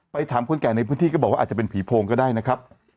ถามคนแก่ในพื้นที่ก็บอกว่าอาจจะเป็นผีโพงก็ได้นะครับ